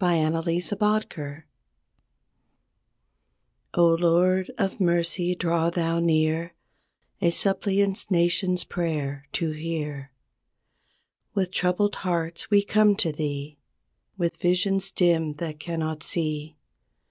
A KANSAS PRAYER 0, Lord of mercy, draw Thou near, A suppliant nation's prayer to hear. With troubled hearts we come to Thee With visions dim that cannot see.